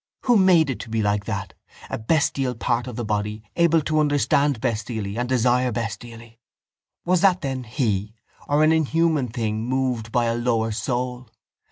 Who made it to be like that, a bestial part of the body able to understand bestially and desire bestially? Was that then he or an inhuman thing moved by a lower soul?